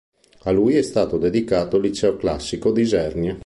A lui è stato dedicato il Liceo Classico di Isernia.